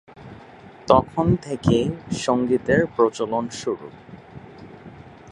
তখন থেকেই সঙ্গীতের প্রচলন শুরু।